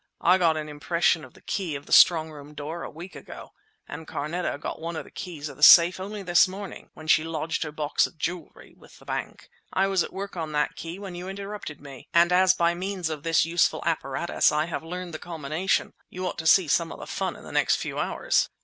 "I got an impression of the key of the strongroom door a week ago, and Carneta got one of the keys of the safe only this morning, when she lodged her box of jewellery with the bank! I was at work on that key when you interrupted me, and as by means of this useful apparatus I have learnt the combination, you ought to see some fun in the next few hours!"